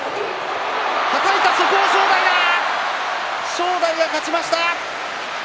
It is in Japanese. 正代が勝ちました。